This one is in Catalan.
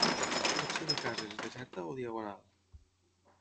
Pot ser de cases, deserta o Diagonal.